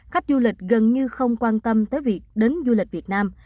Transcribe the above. khách du lịch gần như không quan tâm tới việc đến du lịch việt nam